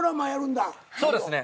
そうですね。